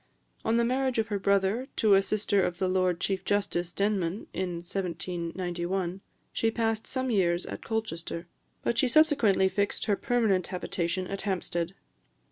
On the marriage of her brother to a sister of the Lord Chief Justice Denman, in 1791, she passed some years at Colchester; but she subsequently fixed her permanent habitation at Hampstead.